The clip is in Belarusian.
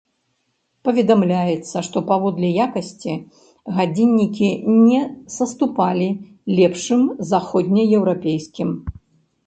Паведамляецца, што паводле якасці гадзіннікі не саступалі лепшым заходнееўрапейскім.